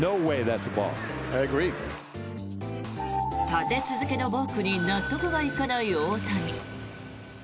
立て続けのボークに納得がいかない大谷。